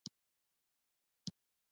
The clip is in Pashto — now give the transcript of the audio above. چې تل زما سره سر ښوروي پوه شوې!.